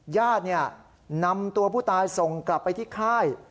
ญาตินำตัวผู้ตายส่งกลับไปที่ค่าย